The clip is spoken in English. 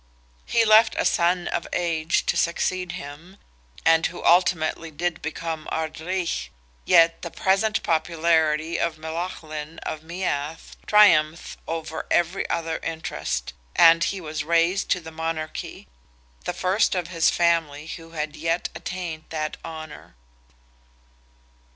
He left a son of age to succeed him, (and who ultimately did become Ard Righ,) yet the present popularity of Melaghlin of Meath triumphed over every other interest, and he was raised to the monarchy—the first of his family who had yet attained that honour.